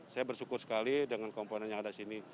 saya bersyukur sekali dengan komponen yang ada di sini